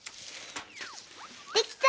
できた！